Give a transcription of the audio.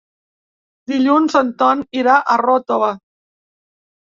Dilluns en Ton irà a Ròtova.